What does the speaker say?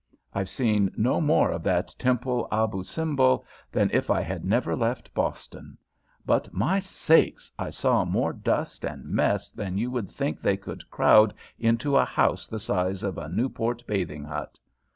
I've seen no more of that temple of Abou Simbel than if I had never left Boston; but, my sakes, I saw more dust and mess than you would think they could crowd into a house the size of a Newport bathing hut.